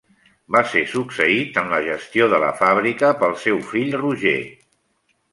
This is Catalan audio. Va ser succeït en la gestió de la fàbrica pel seu fill Roger.